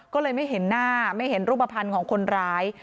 ก็เลยไม่เห็นหน้าไม่เห็นรูปภัณฑ์ของคนร้าย